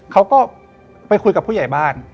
เขาก็ไปคุยกับผู้ใหญ่บ้าน